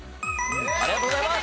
ありがとうございます！